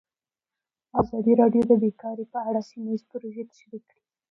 ازادي راډیو د بیکاري په اړه سیمه ییزې پروژې تشریح کړې.